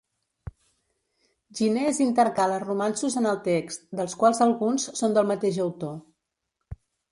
Ginés intercala romanços en el text, dels quals alguns són del mateix autor.